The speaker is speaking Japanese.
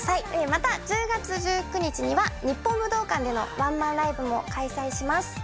また１０月１９日には日本武道館でのワンマンライブも開催します